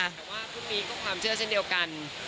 แต่ว่าพรุ่งนี้ก็ความเชื่อเช่นเดียวกัน